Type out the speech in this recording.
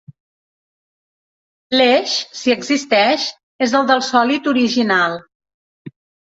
L'eix, si existeix, és el del sòlid original.